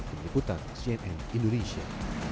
dikutan cnn indonesia